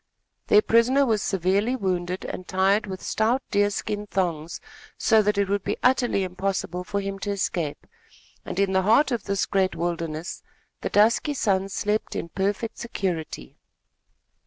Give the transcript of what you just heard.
Their prisoner was severely wounded and tied with stout deer skin thongs, so that it would be utterly impossible for him to escape, and in the heart of this great wilderness the dusky sons slept in perfect security.